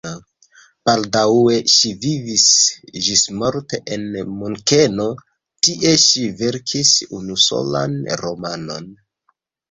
Baldaŭe ŝi vivis ĝismorte en Munkeno, tie ŝi verkis unusolan romanon.